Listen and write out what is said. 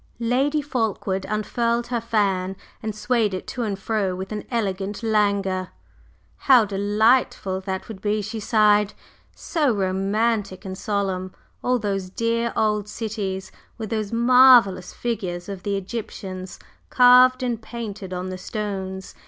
Lady Fulkeward unfurled her fan and swayed it to and fro with an elegant languor. "How delightful that would be!" she sighed. "So romantic and solemn all those dear old cities with those marvellous figures of the Egyptians carved and painted on the stones!